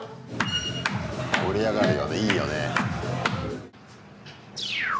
盛り上がるよねいいよね。